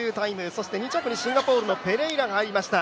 そして２着にシンガポールのペレイラが入りました。